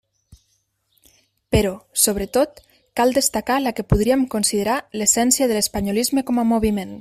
Però, sobretot, cal destacar la que podríem considerar l'essència de l'espanyolisme com a moviment.